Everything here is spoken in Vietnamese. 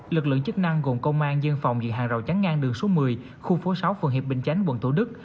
lực lượng chức năng gồm công an dân phòng dỉa hè rào chắn ngang đường số một mươi khu phố sáu phường hiệp bình chánh quận thủ đức